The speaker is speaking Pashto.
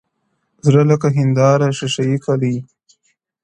o زړه لکه هينداره ښيښې گلي؛